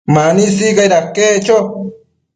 Mani sicaid aquec cho